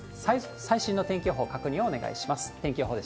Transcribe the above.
最新の天気予報、確認をお願いします。